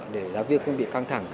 để giáo viên không bị căng thẳng